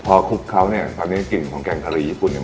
พอคลุกเขาเนี่ยตอนนี้กลิ่นของแกงกะหรี่ญี่ปุ่นเนี่ย